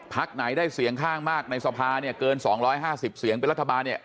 ไหนได้เสียงข้างมากในสภาเนี่ยเกิน๒๕๐เสียงเป็นรัฐบาลเนี่ย